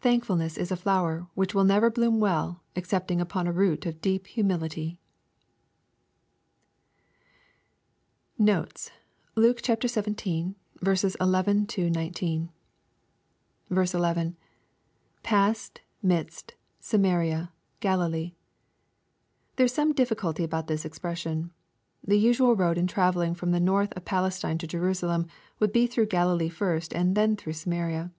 Thankfulness re a flower which will never bloom well excepting upon a root of deep humility. Notes. Luke XYIL 11—19. 11. — [Pa8sed...mid8t.,, Samaria, .ChMlee.'] There is some difficulty about this expression. The usual road in travelling from the north of Palestine to Jerusalem, would be through Galilee first and then through Samaria.